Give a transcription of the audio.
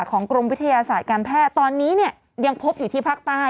กรมวิทยาศาสตร์การแพทย์ตอนนี้เนี่ยยังพบอยู่ที่ภาคใต้